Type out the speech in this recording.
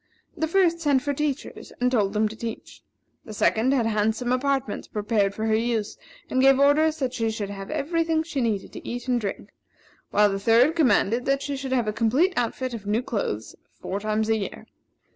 The first sent for teachers, and told them to teach her; the second had handsome apartments prepared for her use, and gave orders that she should have every thing she needed to eat and drink; while the third commanded that she should have a complete outfit of new clothes four times a year.